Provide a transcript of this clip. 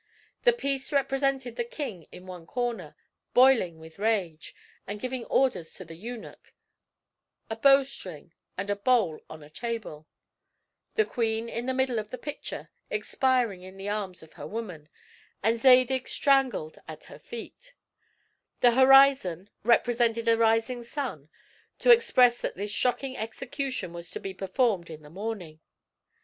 The piece represented the king in one corner, boiling with rage, and giving orders to the eunuch; a bowstring, and a bowl on a table; the queen in the middle of the picture, expiring in the arms of her woman, and Zadig strangled at her feet The horizon, represented a rising sun, to express that this shocking execution was to be performed in the morning.